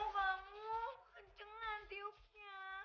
kamu kenceng nanti uknya